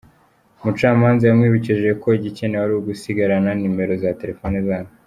Umucamanza yamwibukije ko igikenewe ari ugusigarana nomero za telephones zabo.